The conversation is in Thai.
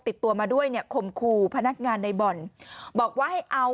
ติดตัวมาด้วยเนี่ยคมคู่พนักงานในบ่อนบอกว่าให้เอา